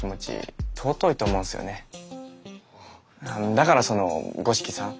だからその五色さん？